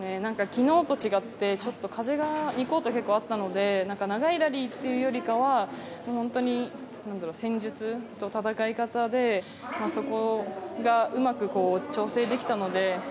昨日と違って風が２コートは結構あったので長いラリーというよりかは戦術と戦い方でそこがうまく調整できたので。